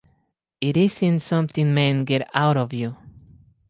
It isn't something men get out of you.